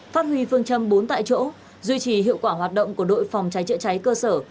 phát huy phương châm bốn tại chỗ duy trì hiệu quả hoạt động của đội phòng cháy chữa cháy cơ sở